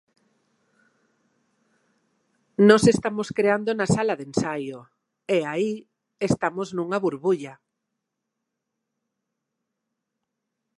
Nós estamos creando na sala de ensaio e aí estamos nunha burbulla.